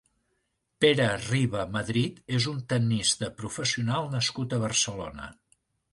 Pere Riba Madrid és un tennista professional nascut a Barcelona.